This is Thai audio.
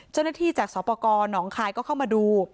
เจ้าหน้าที่จากสปกรหนองคายก็เข้ามาดู